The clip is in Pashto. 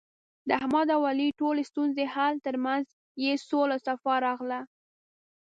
د احمد او علي ټولې ستونزې حل، ترمنځ یې سوله صفا راغله.